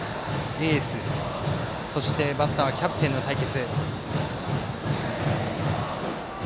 エース、そしてバッターはキャプテンの対決。